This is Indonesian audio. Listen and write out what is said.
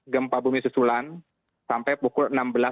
tujuh puluh lima gempa bumi susulan sampai pukul enam belas lima puluh lima